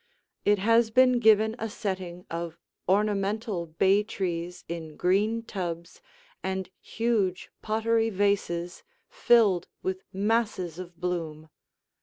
It has been given a setting of ornamental bay trees in green tubs and huge pottery vases filled with masses of bloom.